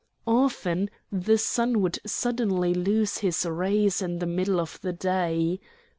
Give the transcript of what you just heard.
Often the sun would suddenly lose his rays in the middle of the day.